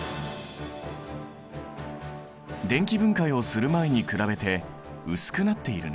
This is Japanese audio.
電気分解をする前に比べて薄くなっているね。